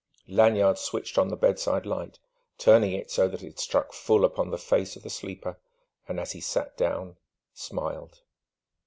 Lanyard switched on the bedside light, turning it so that it struck full upon the face of the sleeper; and as he sat down, smiled.